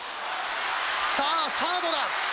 さあサードだ。